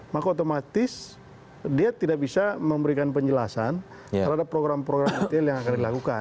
maka otomatis dia tidak bisa memberikan penjelasan terhadap program program detail yang akan dilakukan